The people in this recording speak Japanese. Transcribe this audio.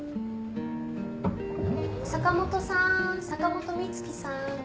坂元さん坂元美月さん。